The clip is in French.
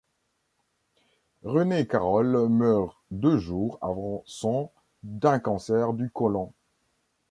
René Carol meurt deux jours avant son d'un cancer du côlon.